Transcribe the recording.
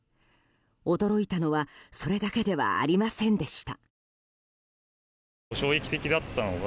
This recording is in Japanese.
驚いたのはそれだけではありませんでした。